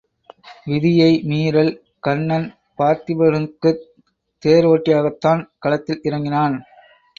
விதியை மீறல் கண்ணன் பார்த்திபனுக்குத் தேர் ஒட்டியாகத்தான் களத்தில் இறங்கினான்.